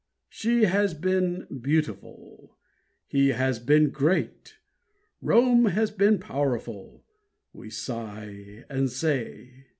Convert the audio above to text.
"She has been beautiful"—"he has been great," "Rome has been powerful," we sigh and say.